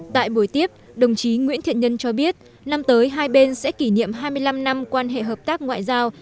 tại buổi tiếp đồng chí nguyễn thiện nhân cho biết năm tới hai bên sẽ kỷ niệm hai mươi năm năm quan hệ hợp tác ngoại giao